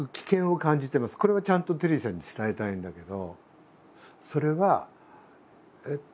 これはちゃんとテリーさんに伝えたいんだけど。